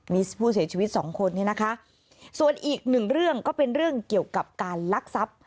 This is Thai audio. มีผู้เสียชีวิตสองคนเนี่ยนะคะส่วนอีกหนึ่งเรื่องก็เป็นเรื่องเกี่ยวกับการลักทรัพย์